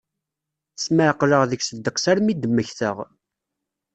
Smeɛqleɣ deg-s ddeqs armi i d-mmektaɣ.